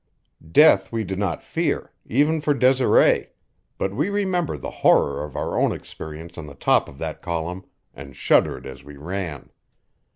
Death we did not fear, even for Desiree; but we remembered the horror of our own experience on the top of that column, and shuddered as we ran.